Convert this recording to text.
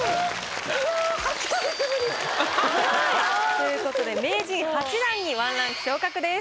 ということで名人８段に１ランク昇格です。